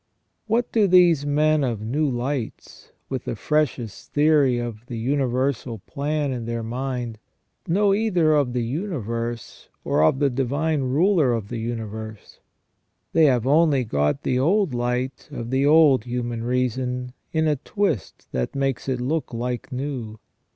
What do these men of new lights, with the freshest theory of the universal plan in their mind, know either of the universe, or of the Divine Ruler of the universe ? They have only got the old light of the old human reason in a twist that makes it look like new.